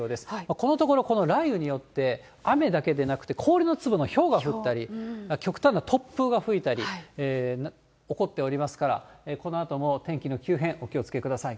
このところ、この雷雨によって、雨だけでなくて、氷の粒のひょうが降ったり、極端な突風が吹いたり、起こっておりますから、このあとも天気の急変、お気をつけください。